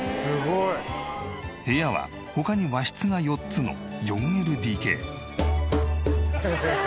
部屋は他に和室が４つの４ＬＤＫ。